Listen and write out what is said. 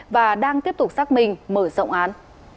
và đang tiếp tục xác minh mở rộng án